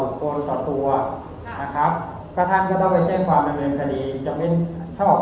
ขอบอกกับคันนี้จังหวัดนะคะตอนนี้เข้าคุณมันเพิ่งข้างมากกว่าร้องเรียนที่เสียหายที่ใดขนาดนี้